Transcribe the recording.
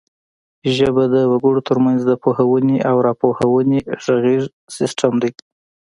ژبه د وګړو ترمنځ د پوهونې او راپوهونې غږیز سیستم دی